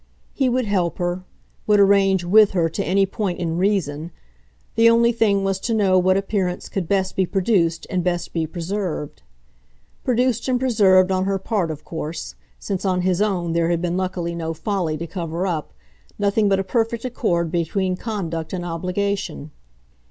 He would help her, would arrange WITH her to any point in reason; the only thing was to know what appearance could best be produced and best be preserved. Produced and preserved on her part of course; since on his own there had been luckily no folly to cover up, nothing but a perfect accord between conduct and obligation.